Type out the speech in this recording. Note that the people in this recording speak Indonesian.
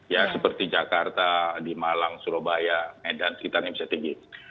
ya seperti jakarta di malang surabaya medan sekitarnya bisa tinggi